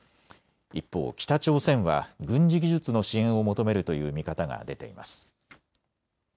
一方、北朝鮮は軍事技術の支援を求めるという見方が出ています。